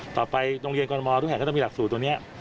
ต่อไปโรงเรียนกรมมัวก็ต้องมีหลักสรุปตัวนี้